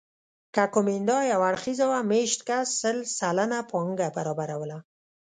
که کومېندا یو اړخیزه وه مېشت کس سل سلنه پانګه برابروله